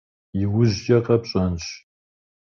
Иужькӏэ къэпщӏэнщ.